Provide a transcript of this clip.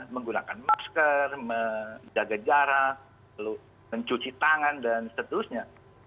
menggunakan masker menjaga jarak mencuci tangan dan seterusnya